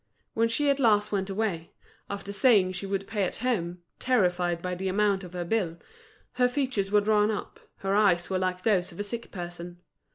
When she at last went away, after saying she would pay at home, terrified by the amount of her bill, her features were drawn up, her eyes were like those of a sick person.